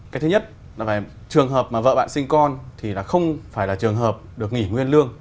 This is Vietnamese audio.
cái thứ nhất là về trường hợp mà vợ bạn sinh con thì là không phải là trường hợp được nghỉ nguyên lương